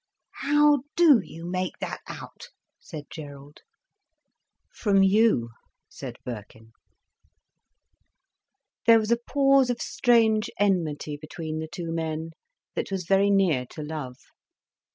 "How do you make that out?" said Gerald. "From you," said Birkin. There was a pause of strange enmity between the two men, that was very near to love.